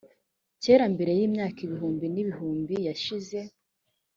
kera mbere y imyaka ibihumbi n ibihumbi yashize